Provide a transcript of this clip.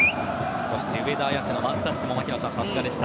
そして上田綺世のワンタッチも槙野さん、さすがでした。